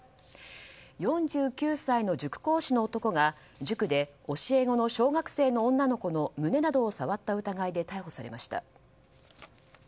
４９歳の塾講師の男が塾で教え子の小学生の女の子の胸などを触った疑いで逮捕されました。